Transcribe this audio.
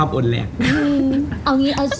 เออใช่ก็ได้